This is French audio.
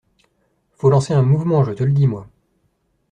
Faut lancer un mouvement, je te le dis, moi…